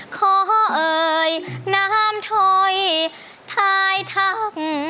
ขอเอ่ยน้ำถอยท้ายถ้ำ